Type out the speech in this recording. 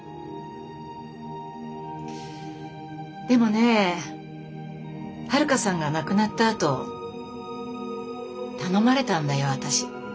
でもね遥さんが亡くなったあと頼まれたんだよ私。